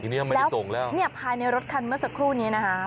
ทีนี้ไม่ได้ส่งแล้วเนี่ยภายในรถคันเมื่อสักครู่นี้นะคะ